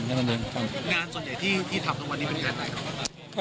งานส่วนใหญ่ที่ทัพตรงวันนี้เป็นงานอะไรครับ